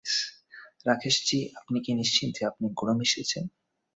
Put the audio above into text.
রাকেশজি, আপনি কি নিশ্চিত যে আপনি গুঁড়ো মিশিয়েছেন?